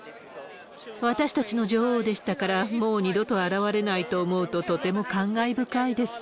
私たちの女王でしたから、もう二度と現れないと思うと、とても感慨深いです。